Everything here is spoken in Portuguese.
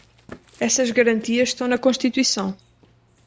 Essas garantias estão na Constituição.